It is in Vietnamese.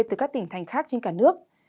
từ các tỉnh thành khác trên cả nước